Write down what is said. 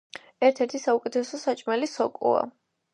ერთ-ერთი საუკეთესო საჭმელი სოკოა.